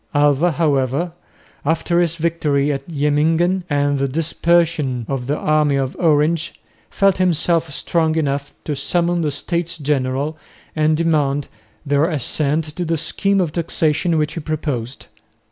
Alva, however, after his victory at Jemmingen and the dispersion of the army of Orange, felt himself strong enough to summon the States General and demand their assent to the scheme of taxation which he proposed.